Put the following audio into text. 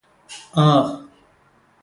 അഹ്